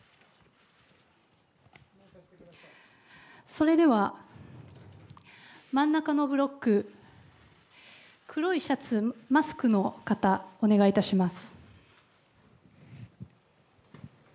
それでは、真ん中のブロック、黒いシャツ、マスクの方、お願いいたします。